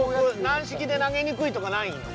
軟式で投げにくいとかないの？